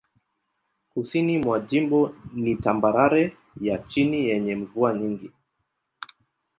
Kusini mwa jimbo ni tambarare ya chini yenye mvua nyingi.